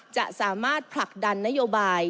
จะสามารถผลักดันนโยบาย